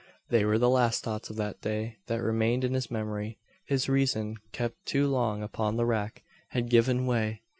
They were the last thoughts of that day that remained in his memory. His reason, kept too long upon the rack, had given way.